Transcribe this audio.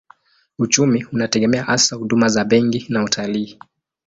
Uchumi unategemea hasa huduma za benki na utalii.